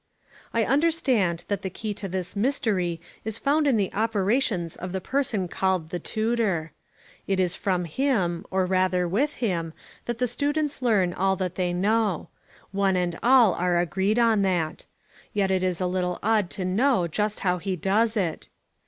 I understand that the key to this mystery is found in the operations of the person called the tutor. It is from him, or rather with him, that the students learn all that they know: one and all are agreed on that. Yet it is a little odd to know just how he does it.